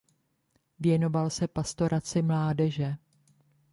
Věnoval se pastoraci mládeže.